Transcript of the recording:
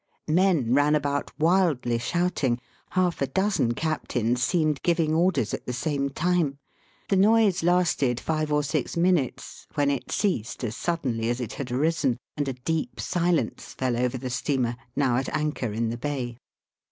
Men ran about wildly shouting. Half a dozen captains seemed giving orders at the same time. The noise lasted five or six minutes, when it ceased as suddenly as it had arisen, and a deep silence fell over the steamer, now at anchor in the bay.